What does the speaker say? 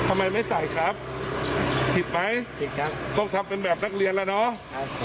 ทำไมไม่ใส่ครับผิดไหมผิดครับต้องทำเป็นแบบนักเรียนแล้วเนาะ